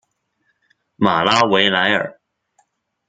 马拉维莱尔。